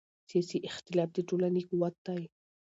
سیاسي اختلاف د ټولنې قوت دی